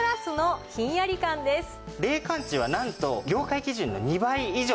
冷感値はなんと業界基準の２倍以上。